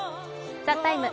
「ＴＨＥＴＩＭＥ，」